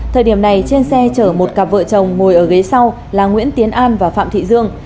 thời điểm này trên xe chở một cặp vợ chồng ngồi ở ghế sau là nguyễn tiến an và phạm thị dương